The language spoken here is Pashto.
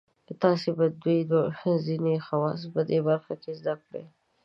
تاسې به د دوی ځینې خواص په دې برخه کې زده کړئ.